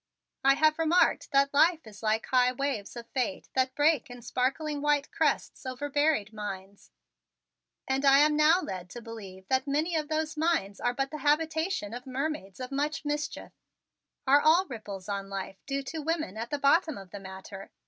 I have remarked that life is like high waves of fate that break in sparkling white crests over buried mines, and I am now led to believe that many of those mines are but the habitation of mermaids of much mischief. Are all ripples on life due to women at the bottom of the matter?